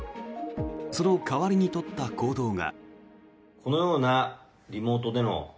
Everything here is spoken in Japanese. その代わりに取った行動が。